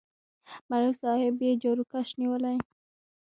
ملک صاحب یې جاروکش نیولی.